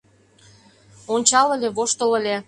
Ончал ыле, воштыл ыле -